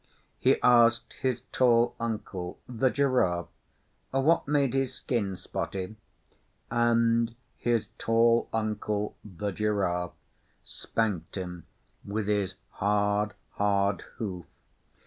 He asked his tall uncle, the Giraffe, what made his skin spotty, and his tall uncle, the Giraffe, spanked him with his hard, hard hoof.